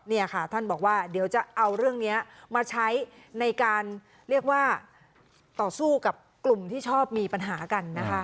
เนี่ยค่ะท่านบอกว่าเดี๋ยวจะเอาเรื่องนี้มาใช้ในการเรียกว่าต่อสู้กับกลุ่มที่ชอบมีปัญหากันนะคะ